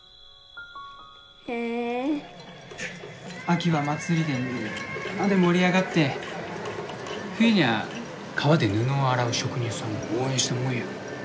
秋は祭りでみんなで盛り上がって冬にゃ川で布を洗う職人さんを応援したもんや。